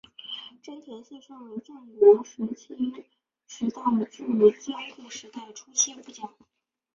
真田信胜为战国时代至江户时代初期武将。